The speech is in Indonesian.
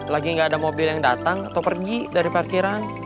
lagi nggak ada mobil yang datang atau pergi dari parkiran